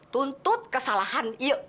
tuntut kesalahan iya